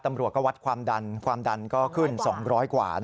ตำรวจก็วัดความดันความดันก็ขึ้น๒๐๐กว่า